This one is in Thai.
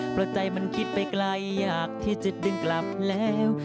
เพราะใจมันคิดไปไกลอยากที่จะดึงกลับแล้ว